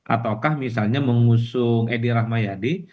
ataukah misalnya mengusung edi rahmayadi